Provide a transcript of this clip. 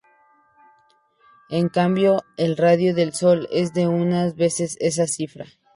En cambio, el radio del Sol es de unas veces esa cifra.